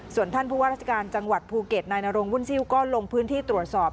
ส่วนท่านผู้ว่าราชการจังหวัดภูเก็ตนายนรงวุ่นซิลก็ลงพื้นที่ตรวจสอบ